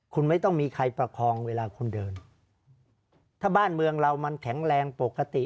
คุณไม่ต้องมีใครประคองเวลาคุณเดินถ้าบ้านเมืองเรามันแข็งแรงปกติ